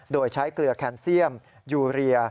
โดยใช้เกลือแคนเซียมยูเรีย